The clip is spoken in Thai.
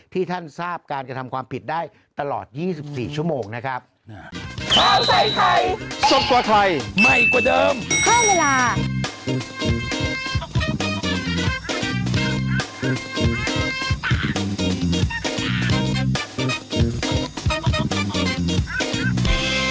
ที่ท่านทราบการกระทำความผิดได้ตลอด๒๔ชั่วโมงนะครับ